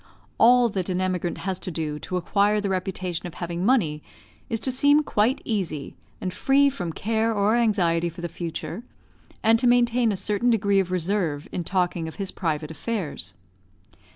All that an emigrant has to do to acquire the reputation of having money, is to seem quite easy, and free from care or anxiety for the future, and to maintain a certain degree of reserve in talking of his private affairs.